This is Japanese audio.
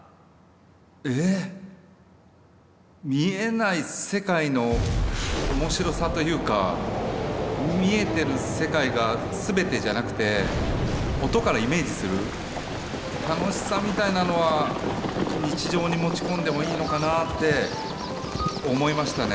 え見えない世界の面白さというか見えてる世界が全てじゃなくて音からイメージする楽しさみたいなのは日常に持ち込んでもいいのかなぁって思いましたね。